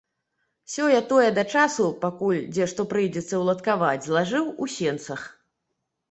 Сёе-тое да часу, пакуль дзе што прыйдзецца ўладаваць, злажыў у сенцах.